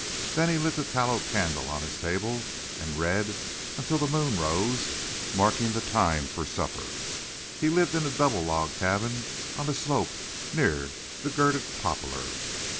Then he lit the tallow candle on his table, and read until the moon rose, marking the time for supper. He lived in the double log cabin on the slope near the girdled poplar.